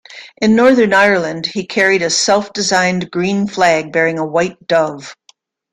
In Northern Ireland he carried a self-designed green flag bearing a white dove.